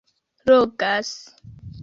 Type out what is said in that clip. logas